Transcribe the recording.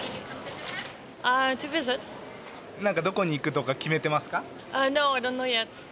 どこに行くとか決めてますか？